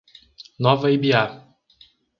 Nova Ibiá